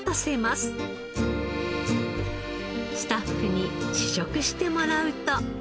スタッフに試食してもらうと。